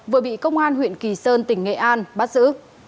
vừa bị công an huyện kỳ sơn tỉnh nghệ an bắt giữ